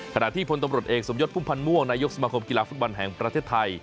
ขณะที่พลตำรวจเอกสมยศพุ่มพันธ์ม่วงนายกสมาคมกีฬาฟุตบอลแห่งประเทศไทย